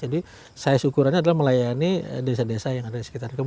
jadi saya syukurannya adalah melayani desa desa yang ada di sekitar